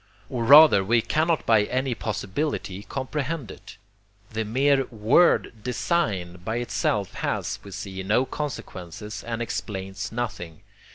Or rather we cannot by any possibility comprehend it. The mere word 'design' by itself has, we see, no consequences and explains nothing.